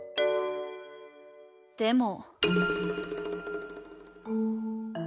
でも。